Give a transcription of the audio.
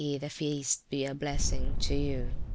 the feast be a blessing to you.